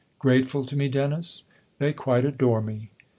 " Grateful to me, Dennis ? They quite adore me."